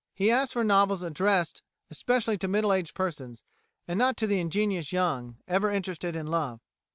He asks for novels addressed especially to middle aged persons, and not to the ingenuous young, ever interested in love.